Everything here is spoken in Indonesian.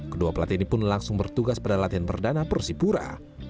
kedua pelatih ini pun langsung bertugas pada latihan perdana persipura